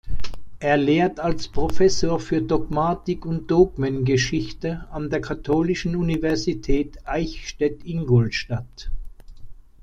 Er lehrt als Professor für Dogmatik und Dogmengeschichte an der Katholischen Universität Eichstätt-Ingolstadt.